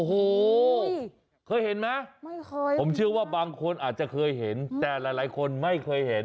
โอ้โหเคยเห็นไหมไม่เคยผมเชื่อว่าบางคนอาจจะเคยเห็นแต่หลายคนไม่เคยเห็น